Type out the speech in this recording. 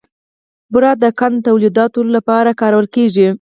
بوره د قند تولیدولو لپاره کارول کېږي.